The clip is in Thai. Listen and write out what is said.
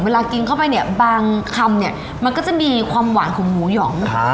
เวลากินเข้าไปเนี่ยบางคำเนี่ยมันก็จะมีความหวานของหมูหยอง